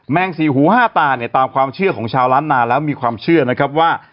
งสี่หูห้าตาเนี่ยตามความเชื่อของชาวล้านนาแล้วมีความเชื่อนะครับว่า